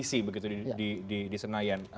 kepentingan bersama oleh para politisi di senayan